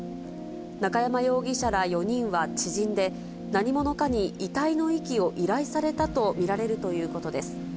中山容疑者ら４人は知人で、何者かに遺体の遺棄を依頼されたと見られるということです。